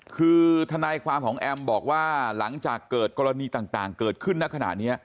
คือทนายความของแอมบอกว่าหลังจากเกิดกรณีต่างเกิดขึ้นณขณะนี้